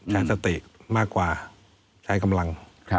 ใช้สติมากกว่าใช้กำลัง